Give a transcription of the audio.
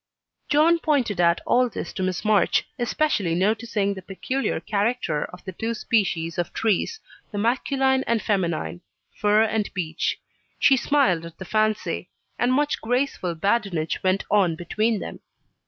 John pointed out all this to Miss March, especially noticing the peculiar character of the two species of trees the masculine and feminine fir and beech. She smiled at the fancy; and much graceful badinage went on between them.